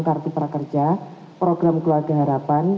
kartu prakerja program keluarga harapan